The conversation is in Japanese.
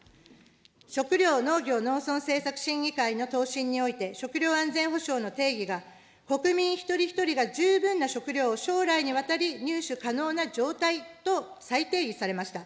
食料・農業・農村政策審議会の答申において、食料安全保障の定義が国民一人一人が十分な食料を将来にわたり入手可能な状態と再定義されました。